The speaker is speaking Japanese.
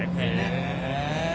へえ。